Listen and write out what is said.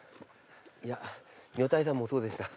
いや女体山もそうでした。